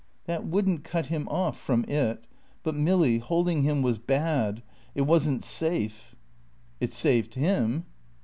"That wouldn't cut him off from It. But Milly, holding him was bad; it wasn't safe." "It saved him."